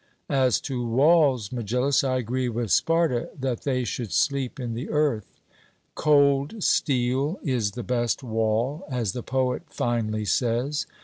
As to walls, Megillus, I agree with Sparta that they should sleep in the earth; 'cold steel is the best wall,' as the poet finely says.